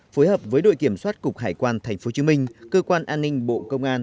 phối hợp với đội kiểm soát cục hải quan tp hcm cơ quan an ninh bộ công an